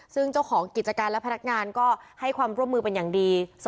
ซึ่งเจ้าของกิจการและพนักงานก็ให้ความร่วมมือเป็นอย่างดี